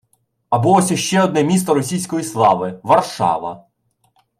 Або ось іще одне «місто російської слави» – Варшава!